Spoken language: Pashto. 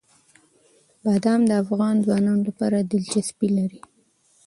بادام د افغان ځوانانو لپاره دلچسپي لري.